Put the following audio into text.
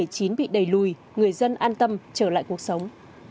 chín bị đẩy lùi người dân an tâm trở lại cuộc sống